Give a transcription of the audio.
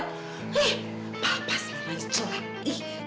ih papa sebenarnya celak